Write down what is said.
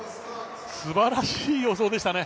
すばらしい予想でしたね。